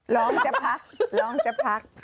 ล้มจะพักล้มจะพัก